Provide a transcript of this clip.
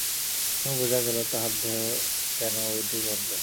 এখন বুঝা গেল, তাহার দেহে কেন ঐ দুর্গন্ধ।